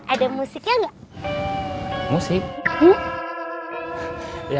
ada musiknya gak